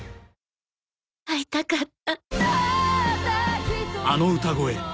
会いたかった。